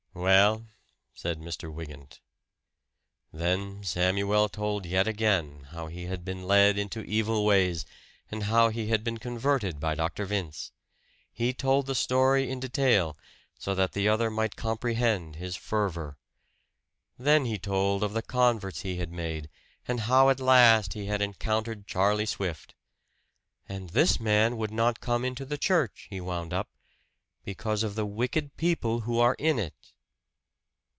"Well?" said Mr. Wygant. Then Samuel told yet again how he had been led into evil ways, and how he had been converted by Dr. Vince. He told the story in detail, so that the other might comprehend his fervor. Then he told of the converts he had made, and how at last he had encountered Charlie Swift. "And this man would not come into the church," he wound up, "because of the wicked people who are in it."